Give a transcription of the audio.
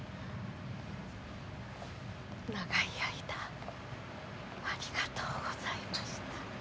長い間ありがとうございました。